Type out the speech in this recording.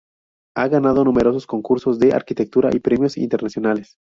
Ha ganado numerosos concursos de arquitectura y premios internacionales.